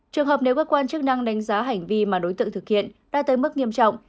trường hợp nếu cơ quan chức năng đánh giá hành vi mà đối tượng thực hiện đã tới mức nghiêm trọng